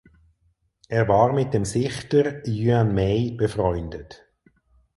Er war mit dem Sichter Yuan Mei befreundet.